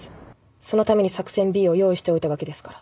そのために作戦Ｂを用意しておいたわけですから。